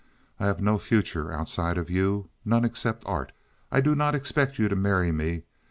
I have no future outside of you, none except art. I do not expect you to marry me.